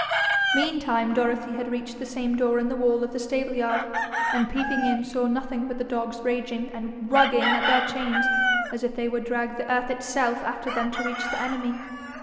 Meantime Dorothy had reached the same door in the wall of the stableyard, and peeping in saw nothing but the dogs raging and RUGGING at their chains as if they would drag the earth itself after them to reach the enemy.